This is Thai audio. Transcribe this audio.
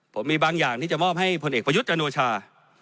ผมมีบางอย่างที่จะมอบให้พลเอกประยุทธ์จันโอชา